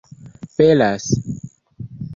belas